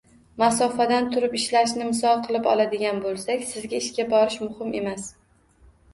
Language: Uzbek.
Masofadan turib ishlashni misol qilib oladigan boʻlsak, sizga ishga borish muhim emas